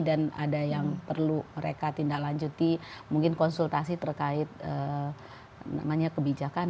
ada yang perlu mereka tindak lanjuti mungkin konsultasi terkait namanya kebijakan